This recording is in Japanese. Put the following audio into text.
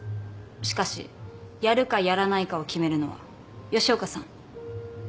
しかしやるかやらないかを決めるのは吉岡さんあなたです。